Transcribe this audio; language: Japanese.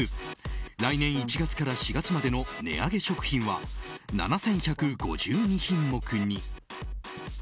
来年１月から４月までの値上げ食品は、７１５２品目に。